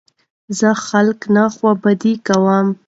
زه خلک نه خوابدي کوم.